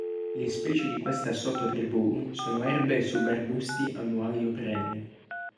Le specie di questa sottotribù sono erbe e sub-arbusti annuali o perenni.